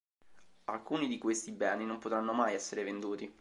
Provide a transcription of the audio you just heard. Alcuni di questi beni non potranno mai essere venduti.